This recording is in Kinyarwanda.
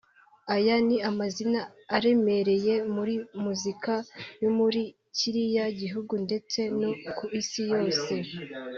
Aya ni amazina aremereye muri muzika yo muri kiriya gihugu ndetse no ku isi yose